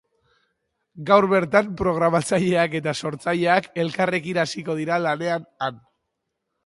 Gaur bertan, programatzaileak eta sortzaileak elkarrekin hasiko dira lanean han.